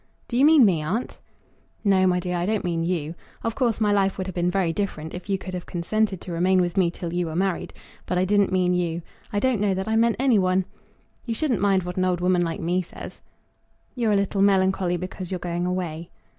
"Do you mean me, aunt?" "No, my dear, I don't mean you. Of course my life would have been very different if you could have consented to remain with me till you were married. But I didn't mean you. I don't know that I meant any one. You shouldn't mind what an old woman like me says." "You're a little melancholy because you're going away."